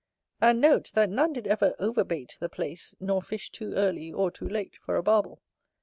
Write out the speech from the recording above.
And note, that none did ever over bait the place, nor fish too early or too late for a Barbel.